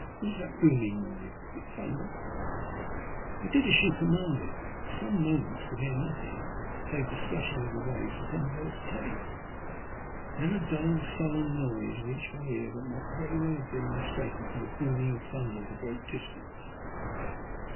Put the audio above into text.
" 'What is that booming noise ? Is it thunder ?" I did as she commanded, but for some moments could hear nothing save the splashing of the waves upon the boat's planks. Then a dull, sullen noise reached my ears that might very well have been mis taken for the booming of thunder at a great distance.